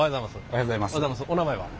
お名前は？